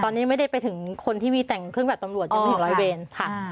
ตอนนี้ยังไม่ได้ไปถึงคนที่มีแต่งเครื่องแบบตำรวจยังไม่ถึงร้อยเวรค่ะ